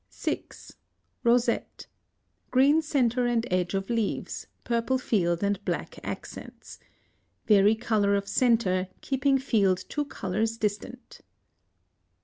6. Rosette. Green centre and edge of leaves, purple field and black accents. Vary color of centre, keeping field two colors distant.